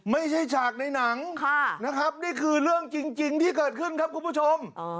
ฉากในหนังนะครับนี่คือเรื่องจริงที่เกิดขึ้นครับคุณผู้ชม